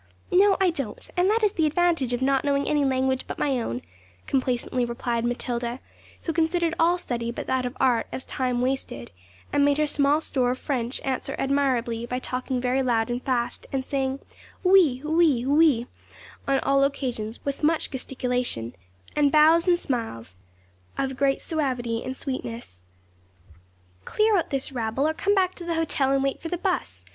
'No: I don't; and that is the advantage of not knowing any language but my own,' complacently replied Matilda, who considered all study but that of art as time wasted, and made her small store of French answer admirably by talking very loud and fast, and saying, 'Oui, oui, oui,' on all occasions with much gesticulation, and bows and smiles of great suavity and sweetness. 'Clear out this rabble, or come back to the hotel and wait for the bus.